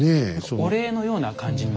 お礼のような感じにも。